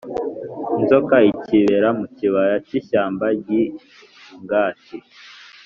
inzoka ikibera mu kibaya cy'ishyamba ry'ingati